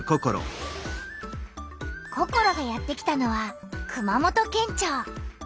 ココロがやって来たのは熊本県庁。